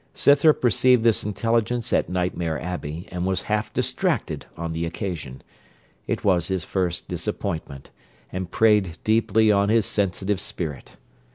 Scythrop received this intelligence at Nightmare Abbey, and was half distracted on the occasion. It was his first disappointment, and preyed deeply on his sensitive spirit.